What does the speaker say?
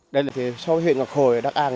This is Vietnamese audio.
đây là số huyện ngọc hồi ở đắc an